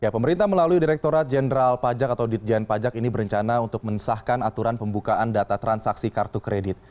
pemerintah melalui direkturat jenderal pajak atau ditjen pajak ini berencana untuk mensahkan aturan pembukaan data transaksi kartu kredit